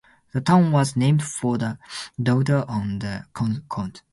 The town was named for a daughter of the count.